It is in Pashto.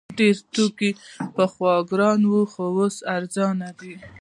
ډیر توکي پخوا ګران وو خو اوس ارزانه دي.